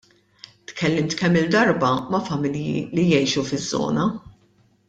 Tkellimt kemm-il darba ma' familji li jgħixu fiż-żona.